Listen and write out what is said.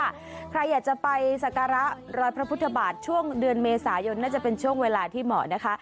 ใครอยากจะไปสการะรอยพระพุทธบาทช่วงเดือนเมษายนน่าจะเป็นช่วงเวลาที่เหมาะนะคะ